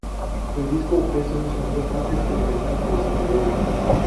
El disco ofrece un sonido más experimental que los anteriores.